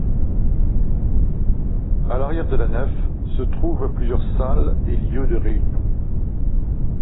À l’arrière de la nef se trouvent plusieurs salles et lieux de réunion.